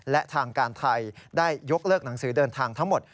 และทางการไทยได้ยกเลิกหนังสือเดินทางทั้งหมด